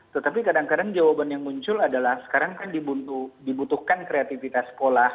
tetapi kadang kadang jawaban yang muncul adalah sekarang kan dibutuhkan kreativitas sekolah